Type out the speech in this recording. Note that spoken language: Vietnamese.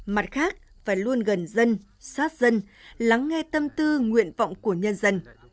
mặt khác phải luôn gần dân sát dân lắng nghe tâm tư nguyện vọng của nhân dân